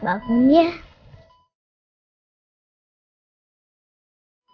supaya bisa ngajarin aku lagi